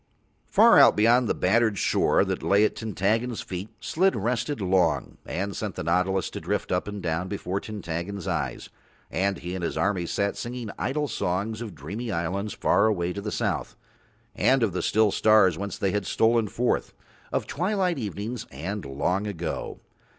Far out beyond the battered shore that lay at Tintaggon's feet Slid rested long and sent the nautilus to drift up and down before Tintaggon's eyes, and he and his armies sat singing idle songs of dreamy islands far away to the south, and of the still stars whence they had stolen forth, of twilight evenings and of long ago.